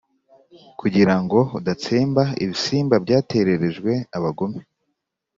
kugira ngo udatsemba ibisimba byatererejwe abagome,